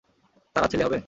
তারা ছেলে হবে?